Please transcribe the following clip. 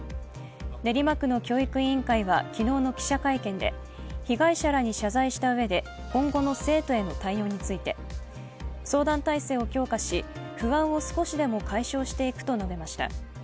練馬区の教育委員会は昨日の記者会見で、被害者らに謝罪したうえで今後の生徒への対応について相談体制を強化し不安を少しでも解消していくと述べました。